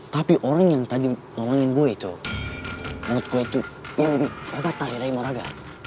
tapi orang yang tadi nolongin gue itu menurut gue itu lebih hebat dari rey moraga